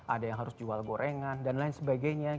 ada yang harus jual gorengan dan lain sebagainya